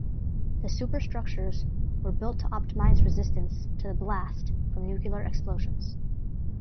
The superstructures were built to optimise resistance to the blast from nuclear explosions.